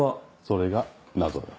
それが謎だ。